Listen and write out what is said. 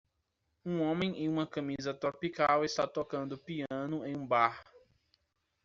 Um homem em uma camisa tropical está tocando piano em um bar.